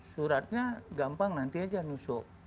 suratnya gampang nanti aja nusuk